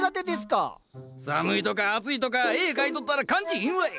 寒いとか暑いとか絵描いとったら感じひんわい！